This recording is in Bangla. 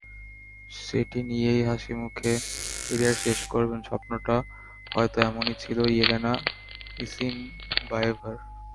সেটি নিয়েই হাসিমুখে ক্যারিয়ার শেষ করবেন—স্বপ্নটা হয়তো এমনই ছিল ইয়েলেনা ইসিনবায়েভার।